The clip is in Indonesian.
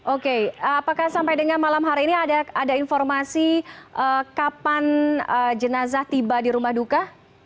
oke apakah sampai dengan malam hari ini ada informasi kapan jenazah tiba di rumah duka